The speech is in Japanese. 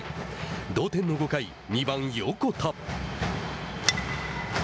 同点の５回、２番横田。